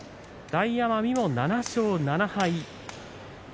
大奄美も７勝７敗。